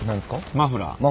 マフラー？